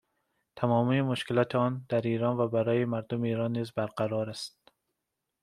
تمامی مشکلات آن، در ایران و برای مردم ایران نیز برقرار است